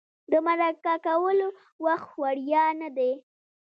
د مرکه کولو وخت وړیا نه دی.